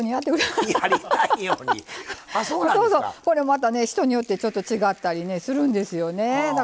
これまたね人によってちょっと違ったりするんですよね。